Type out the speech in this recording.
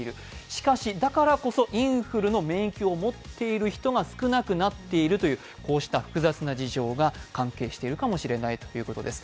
しかしだからこそインフルの免疫を持っている人が少なくなっているというこうした複雑な事情が関係しているかもしれないということです。